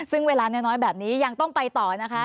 ซึ่งเวลาน้อยแบบนี้ยังต้องไปต่อนะคะ